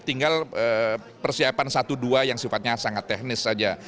tinggal persiapan satu dua yang sifatnya sangat teknis saja